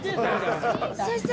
先生！